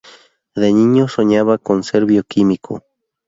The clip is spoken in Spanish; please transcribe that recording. De niño soñaba con ser bioquímico.